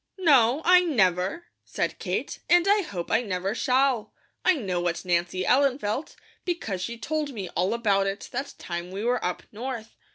"No, I never," said Kate, "and I hope I never shall. I know what Nancy Ellen felt, because she told me all about it that time we were up North.